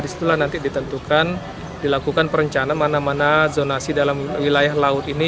disitulah nanti ditentukan dilakukan perencanaan mana mana zonasi dalam wilayah laut ini